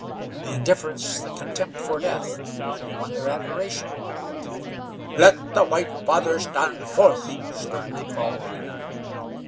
The indifference, the contempt for death, won their admiration. "Let the white father stand forth," sternly called Wingenund.